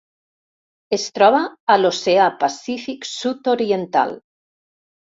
Es troba a l'Oceà Pacífic sud-oriental: